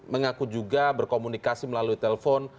mengaku juga berkomunikasi melalui telepon